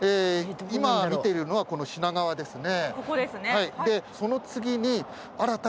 今見てるのはこの品川ですね。